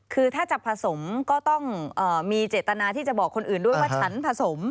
คือถ้าจะผสมก็ต้องมีเจตนาที่จะบอกคนอื่นด้วยว่าฉันผสม